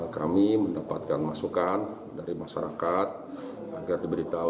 kami mendapatkan masukan dari masyarakat agar diberitahu